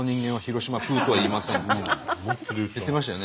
言ってましたよね